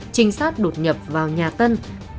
trinh sát đột nhập vào nhà tân